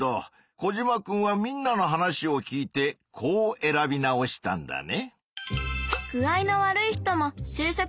コジマくんはみんなの話を聞いてこう選び直したんだね。